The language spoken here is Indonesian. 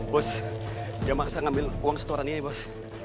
bos jangan maksa ngambil uang setoran ini bos